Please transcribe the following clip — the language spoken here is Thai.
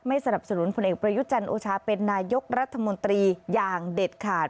สนับสนุนผลเอกประยุจันทร์โอชาเป็นนายกรัฐมนตรีอย่างเด็ดขาด